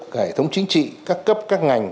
cả hệ thống chính trị các cấp các ngành